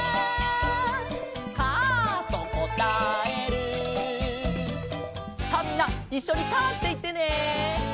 「カァとこたえる」さあみんないっしょに「カァ」っていってね。